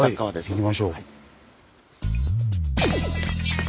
行きましょう。